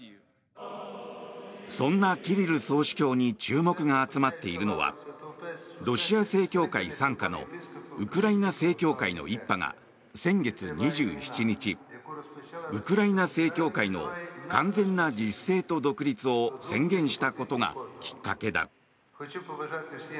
そんなキリル総主教に注目が集まっているのはロシア正教会傘下のウクライナ正教会の一派が先月２７日、ウクライナ正教会の完全な自主性と独立を宣言したことがきっかけだ。